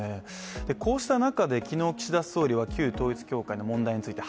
こうした中で昨日、岸田総理は旧統一教会の問題について